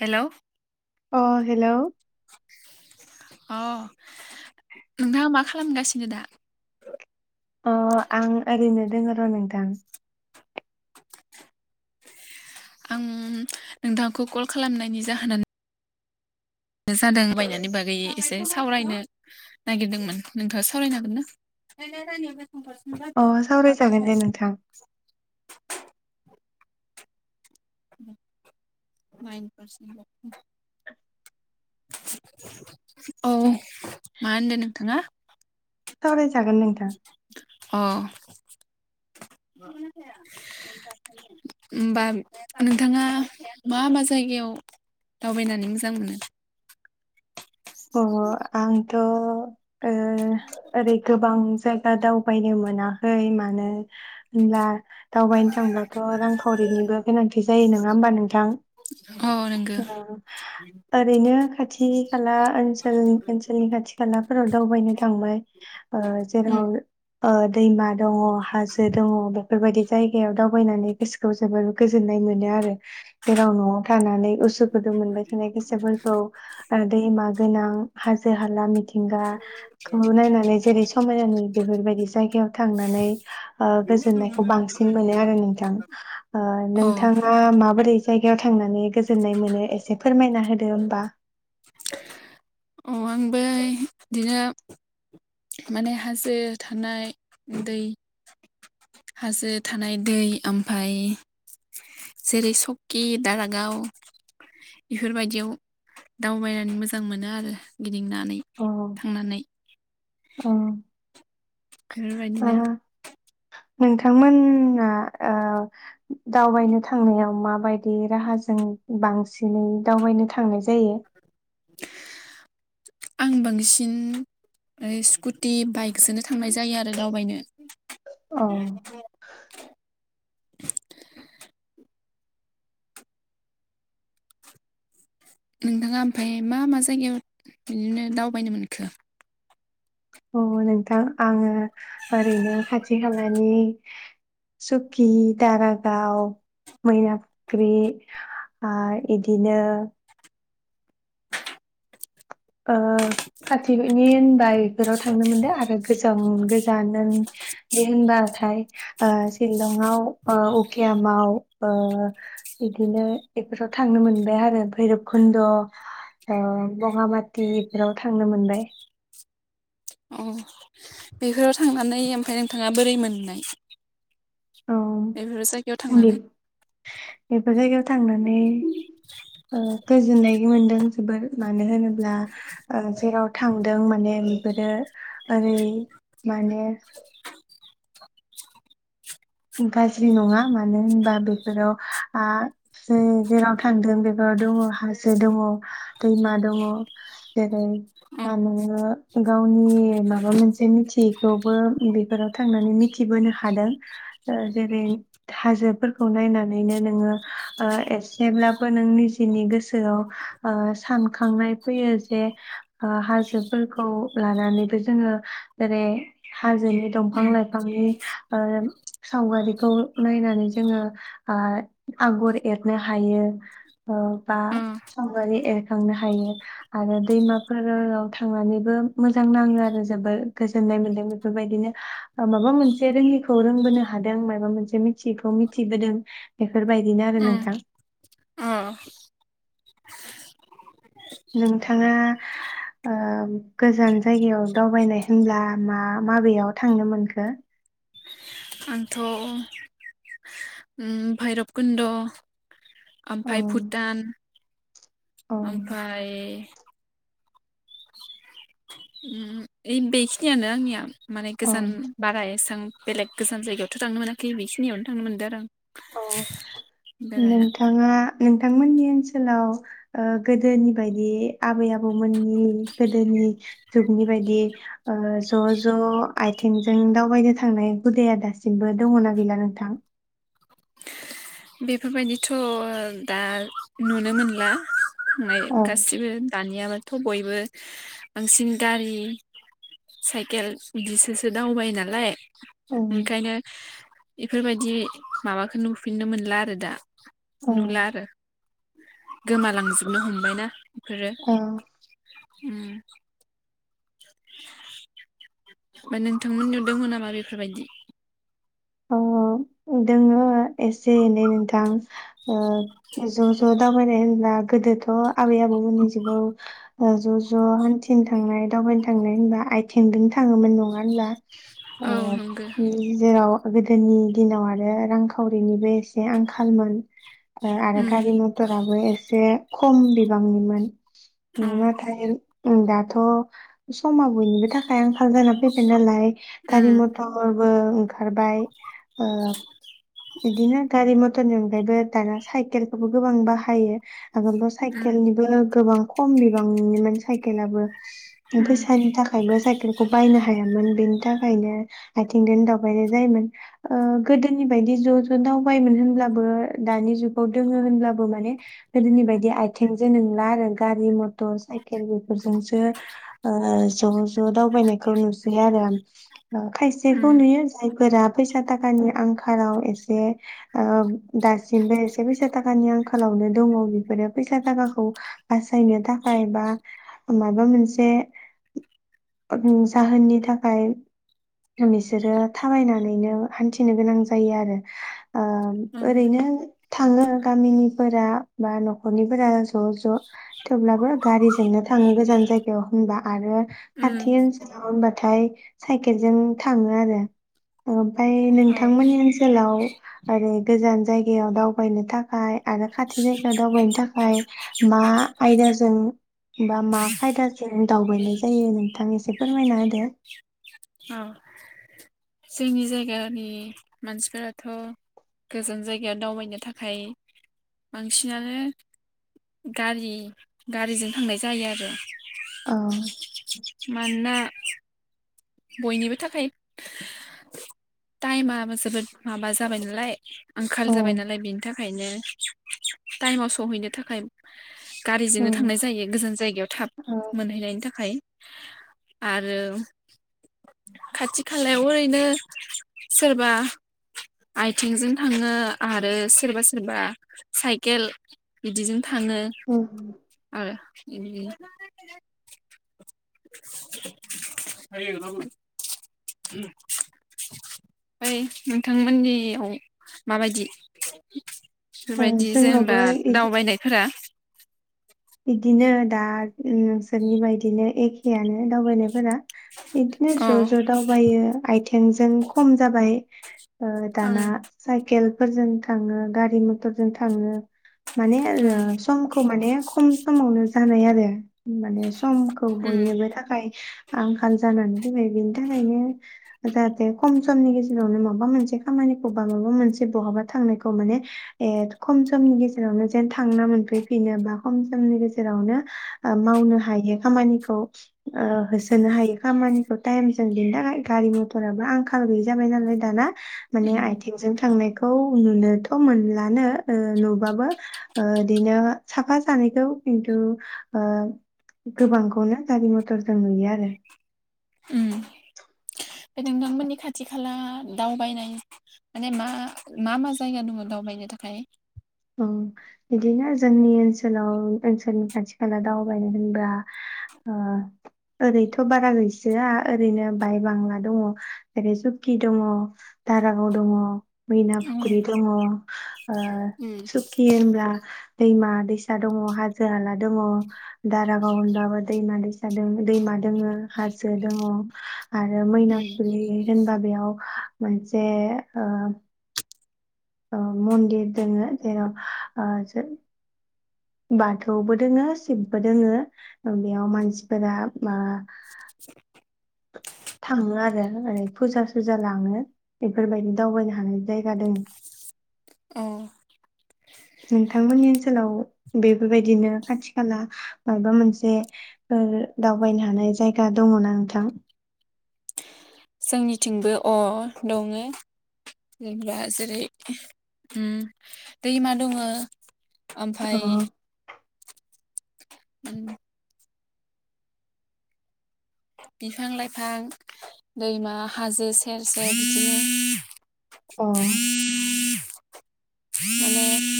Hello अ hello अ नोंथाङा मा खालामगासिनो दा अ आं ओरैनो दोङो र' नोंथां आं नोंथांखौ कल खालामनायनि जाहोनानो जादों बायनानै बागै एसे सावरायनो नागिरदोंमोन नोंथाङा सावरायनो हागोन ना? अ सावरायजागोन दे नोंथां। माइन पारसेन्ट औ मा होनदों नोंथाङा? सावराय जागोन नोंथां। अ होनबा नोंथाङा मा मा जायगायाव दावबायनानै मोजां मोनो। अ आंथ'। ओ ओरै गोबां जायगा दावबायनो मोनाखै मानो होनब्ला दावबायनो थांब्लाथ' रांखावरिनिबो गोनांथि जायो नोङा होमबा नोंथां अ नोंगो ओ ओरैनो खाथि खाला ओनसोलनि ओनसोलनि खाथि खालाफोराव दावबायनो थांबाय जेराव ओ दैमा दङ हाजो दङ बेफोरबायदि जायगायाव दावबायनानै गोसोखौ जोबोर गोजोननाय मोनो आरो जेराव न'आव थानानै उसु गुदु मोनबाय थानाय गोसोफोरखौ ओ दैमा हाजो हाला मिथि थिंगाखौ नायनानै जेरै समायना नुयो बेफोरबायदि जायगायाव थांनानै ओ गोजोननायखौ बांसिन मोनो आरो नोंथां ओ अ नोंथाङा माबोरै जायगायाव थांनानै ओ गोजोननाय मोनो एसे फोरमायना होदो दे होमबा। अ आांबो इदिनो माने हाजो थानाय दै हाजो थानाय दै ओमफाय जेरै सकि दारागाव इफोरबायदियाव दावबायनानै मोजां मोनो आरो लिंनानै अ थांनानै। अ ओ बेफोरबायदिनो नोंथांमोना ओ दावबायनो थांनायाव माबायदि राहाजों बांसिनै दावबायनो थांनाय जायो। आं बांसिन स्कुटि बाइकजोनो थांनाय जायो आरो दावबायनो [inaudible] अ नोंथाङा ओमफाय मा मा जायगायाव बिदिनो दावबायनो मोनखो? अ नोंथां आङो ओरैनो खाथि खालानि सुकि दारागाव मैना फुख्रि आ इदिनो ओ खाथिनि होनबा बेफोराव थांनो मोनबाय आरो गोजाम गोजाननि होनबाथाय ओ सिशलंआव ओ अकियामाव ओ बिदिनो बेफोराव थांनो मोनबाय आरो भैरबकुन्द ओ बङामाथि दिल्लिफोराव थांनो मोनबाय अ बेफोराव थांनानै ओमफ्राय नोंथाङा बोरै मोननाय? औ बेफोर जायगायाव बे थांनानै बेफोर जायगायाव थांनानै ओ गोजोननाय मोनदों जोबोर मानो होनोब्ला जेराव थांदों माने बेफोरो ओरै माने गाज्रि नङा मानो होनबा बेफोराव आ जे-जेराव थांदों बेफोराव दङ हासो दङ दैमा दङ जेरै अ नोङो गावनि माबा मोनसे मिथियैखौबो बेफोराव थांनानै मिथिबोनो हादों। ओ जेरै हाजोफोरखौ नायनानैनो नोङो ओ एसेब्लाबो नों निजेनि गोसोआव सानखांनाय फैयो जे ओ हाजोफोरखौ लानानैबो जोङो जेरै हाजोनि दंफां उम लाइफांनि ओ सावगारिखौ नायनानै जोङो ओ आगर एरनो हायो ओ बा अ सावगारि एरखांनो हायो आरो दैमाफोराव थांनानैबो मोजां नाङो आरो जोबोद गोजोननाय मोनदों बेफोरबायदिनो माबा मोनसे रोङिखौ रोंबोनो हादों मायबा मोनसे मिथियैखौ मिथिबोदों बेफोरबायदिनो आरो उम नोंथां। अ नोंथाङा ओ गोजान जायगायाव दावबायनाय होनब्ला मा माबायाव थांनो मोनखो? आंथ' भैरब कुन्द' औ ओमफ्राय भुटान औ ओमफ्राय उम ओ बेखिनियानो आंनिया माने गोजान औ बाराय एसां बेलेग गोजान जायगायावथ थांनो मोनाखै बेखिनियावनो थांनो मोनदों आरो आं। अ बेरायना नोंथाङा नों नोंथांमोननि ओनसोलाव ओ गोदोनि बायदि आबै आबौमोननि गोदोनि जुगनि बायदि ओ ज' ज' आथिंजों दावबायनो थांनाय गुदाया दासिमबो दङना गैला नोंथां? बेफोरबायदिथ' दा नुनो मोनला औ [unintelligible] गासिबो दानिया बा थ' बयबो बांसिन गारि साइकेल बिदिसोसो दावबाय नालाय। औ ओंखायनो बेफोरबायदि माबाखौ नुफिननोमोन मोन [unintelligible] आरो दा औ नुला आरो गोमालांजोबनो हमबाय ना? इफोरो उम [inaudible] ओमफ्राय नोंथांमोननियाव दङ नामा बेफोर बायदि? अ दोङो एसे एनै नोंथां ओ ज' ज' दावबायनाय होनब्ला गोदोथ' आबै आबौमोननि जुगाव ओ ज' ज' हान्थिनो थांनाय दावबायनो थांनाय होनब्ला आथिंजों थाङोमोन नङा होनब्ला? औ अ नंगौ जेराव गोदोनि दिनाव आरो रांखावरिनिबो एसे आंखालमोन। ओ आरो उम गारि मटराबो एसे खम बिबांनिमोन औ [unintelligible] दाथ' समा बयनिबो थाखाय आंखाल जाना फैबाय नालाय गारि उम मथरबो खारबाय ओ इदिनो गारि मथरनि अनगायैबो दाना साइकेलखौबो गोबां बाहायो आगोलथ' उम साइकेलनिबो गोबां खम बिबांनि [unintelligible] साइकेलाबो उम फैसानि थाखायबो साइकेलखौ बायनो हा हायामोन बेनि थाखायनो आथिंदोनो बायनाय जायोमोन ओ गोदोनि बायदि ज' ज' दावबायोमोन होनब्लाबो दानि जुगाव दोङो होनब्लाबो माने गोदोनि बायदि आथेंजो नोंला आरो गारि मथर साइकेल बेफोरजोंसो ओ ज' ज' दावबायनायखौ नुसै आरो ओम। खायसेखौ नुयो फोरा फैसा थाखानि आंखालाव एसे ओ दासिमबो एसे फैसा थाखानि आंखालावनो दङ बेफोरो फैसा थाखाखौ बासायनो थाखाय बा माबा मोनसे जाहोननि थाखाय बिसोरो थाबायनानैनो हान्थिनो गोनां जायो आरो ओ उम ओरैनो थाङो गामिनिफोरा बा न'खरनिफोरा ज' ज' थेवब्लाबो गारिजोंनो थाङो गोजान जायगायाव होनबा आरो उम खाथि ओनसोलाव होनबाथाय साइकेलजों थाङो आरो ओमफ्राय औ नोंथांमोननि ओनसोलाव ओरै गोजान जायगायाव दावबायनो थाखाय आरो खाथि जायगायाव दावबायनो थाखाय मा आयदाजों बा मा खायदाजों दावबायनाय जायो नोंथां एसे फोरमायना होदो। औ जोंनि जायगानि मानसिफोराथ' गोजान जायगायाव दावबायनो थाखाय बांसिनानो गारि गारिजों थांनाय जायो आरो औ मानना बयनिबो थाखाय टाइमाबो जोबोद माबा जाबाय नालाय आंखाल औ जाबाय नालाय बेनि थाखाय खायनो टाइमाव सहैनो थाखाय गारिजोंनो थांनाय जायो गोजान जायगायाव थाब मोनहैनायनि थाखाय आरो खाथि खालायाव ओरैनो सोरबा आथिंजों थाङो आरो सोरबा सोरबा साइकेल बिदिजों थाङो आरो [unintelligible] [unintelligible] ओइ नोंथांमोननियाव माबायदि? औ फोरबायदि जेनेबा जोंनावबो इदि दावबायनायफोरा बिदिनो दा नोंसोरनि बायदिनो एखेयानो दावबायनायफोरा बिदिनो औ ज' ज' दावबायो आथिंजों खम जाबाय ओ ओं दाना साइकेल फोरजों थाङो गारि मथरजों थाङो माने आरो उम समखौ माने खम समावनो जानाय आरो [unintelligible] माने समखौ उम बयनोबो थाखाय आंखाल जानानै फैबाय बिनि थाखायनो जाहाथे खम समनि गेजेरावनो माबा मोनसे खामानिखौ बा माबा मोनसे बहाबा थांनायखौ माने खम समनि गेजेरावनो जेन थांना मोनफैफिनो बा खम समनि गेजेरावनो मावनो हायो खामानिखौ ओ होसोनो हायो खामानिखौ टाइमजों बेनि थाखाय गारि मथराबो आंखाल गैयि जाबाय नालाय दाना माने उम आथिंजों थां खौ नुनोथ' मोनलानो ओ नुबाबो ओ इदिनो साफा थानायखौ खिन्थु ओ गोबांखौनो गारि मथर जों नुयो आरो उम नोंथांमोननि खाथि खाला दावबायनाय माने मा मा मा जायगा दङ दावबायनो थाखाय? उ बिदिनो जोंनि ओनसोलाव ओनसोलनि खाथि खाला दावबायनो होनबा ओ ओरैथ' बारा गैसोआ ओरैनो बाय बांला दङ जेरै सुकि दङ दारागाव दङ मैना उम फुख्रि दङ ओ उम सुकि होनब्ला दैमा दैसा दङ हाजो हाला दङ। दारागाव होनबाबो दैमा दैसा दैमा दोङो हाजो दङ। आरो मैना उम फुख्रि होनबा बेयाव मोनसे ओ ओ मन्दिर दङो जेराव आ जों बाथौबो दोङो शिबबो दोङो अ बेयाव मानसिफोरा मा [unintelligible] थाङो आरो ओरै फुजा सुजा लाङो बेफोरबायदि दावबायनो हानाय जायगा दोङो। औ नोंथांमोननि ओनसोलाव बेफोरबायदिनो खाथि खाला मायबा मोनसे ओ दावबायनो हानाय जायगा दङना नोंथां? जोंनिथिंबो अ दङ जेनोबा जेरै उम दैमा दङ। अ ओमफ्राय [inaudible] बिफां- लाइफां दैमा हाजो सेर सेर बिदिनो अ [unintelligible] माने [inaudible]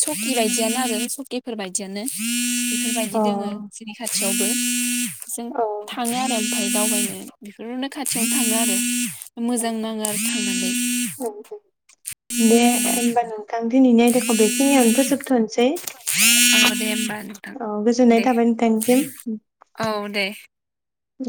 सकि बायदियानो आरो सकिफोर बायदियानो। अ बेफोरबायदि दङो जोंनि खाथियावबो जों औ थाङो आरो ओमफ्राय दावबायनो [inaudible] बेफोरनो खाथियावनो थाङो आरो। मोजां नाङो आरो थांनानै। दे होमबा नोंथां दिनैनि आयदाखौ बेखिनियावनो फोजोब थ'नोसै औ दे होमबा नोंथां दे थाबाय नोंथांनिसिम औ दे। उ